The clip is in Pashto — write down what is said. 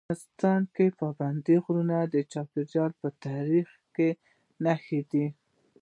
افغانستان کې پابندي غرونه د چاپېریال د تغیر نښه ده.